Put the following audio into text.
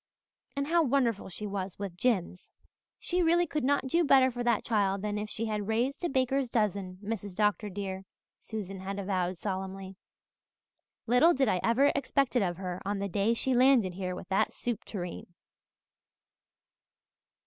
And how wonderful she was with Jims. "She really could not do better for that child than if she had raised a baker's dozen, Mrs. Dr. dear," Susan had avowed solemnly. "Little did I ever expect it of her on the day she landed here with that soup tureen."